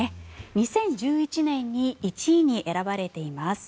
２０１１年に１位に選ばれています。